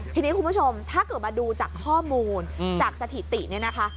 ทีนี้คุณผู้ชมถ้าเกิดมาดูจากข้อมูลจากสถิติเนี่ยนะคะ